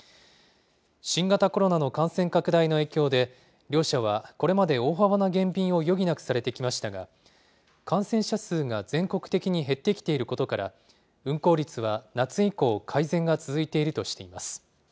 新型コロナの感染拡大の影響で、両社はこれまで大幅な減便を余儀なくされてきましたが、感染者数が全国的に減ってきていることから、運航率は夏以降、改善が続いているとしています。